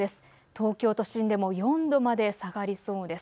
東京都心でも４度まで下がりそうです。